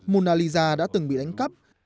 mona lisa đã từng bị đánh cắp